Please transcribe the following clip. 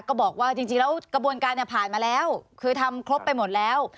ก็บอกว่าจริงแล้วกระบวนการเนี่ยผ่านมาแล้วคือทำครบไปหมดแล้ว